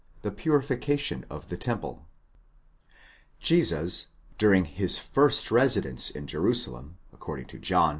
THE PURIFICATION OF THE TEMPLE, Jesus, during his first residence in Jerusalem, according to John (ii.